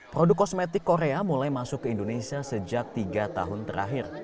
produk kosmetik korea mulai masuk ke indonesia sejak tiga tahun terakhir